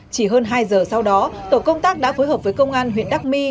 chỉ hơn hai giờ sau đó tổ công tác đã phối hợp với công an huyện đắc my